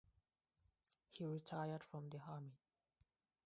He retired from the army.